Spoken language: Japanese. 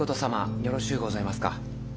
よろしうございますか。